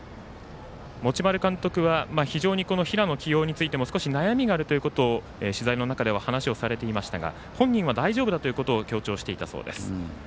持丸監督は非常に平野起用についても少し悩みがあるということを取材の中では話をされていましたが本人は大丈夫だと強調していたそうです。